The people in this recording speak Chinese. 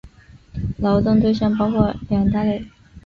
劳动对象包括两大类。